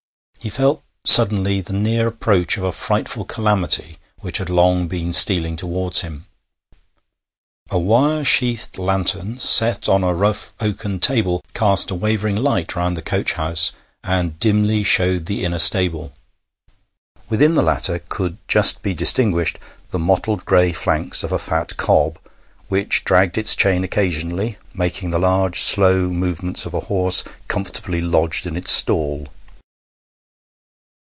He felt suddenly the near approach of a frightful calamity which had long been stealing towards him. A wire sheathed lantern, set on a rough oaken table, cast a wavering light round the coach house, and dimly showed the inner stable. Within the latter could just be distinguished the mottled gray flanks of a fat cob which dragged its chain occasionally, making the large slow movements of a horse comfortably lodged in its stall.